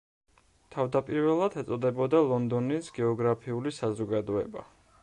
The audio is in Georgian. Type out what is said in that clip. თავდაპირველად ეწოდებოდა „ლონდონის გეოგრაფიული საზოგადოება“.